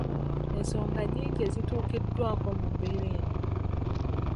Ensonga nnyingi ezituukiddwako mu mbeera eno.